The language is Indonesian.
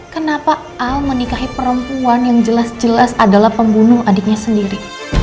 kenapa al menikahi perempuan yang jelas jelas adalah pembunuh adiknya sendiri